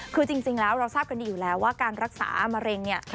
คือจริงแล้วเราทราบกันดีอยู่แล้วว่าการรักษามะเร็งเนี่ย